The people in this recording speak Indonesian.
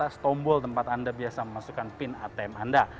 dan juga di atas tombol tempat anda biasa memasukkan pin atm anda